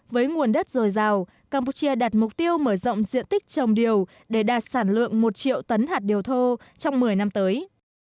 với nguồn đất dồi dào campuchia đặt mục tiêu mở rộng diện tích trồng điều để đạt sản lượng một triệu tấn hạt điều thô trong một mươi năm tới